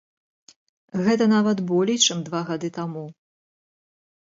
Гэта нават болей, чым два гады таму.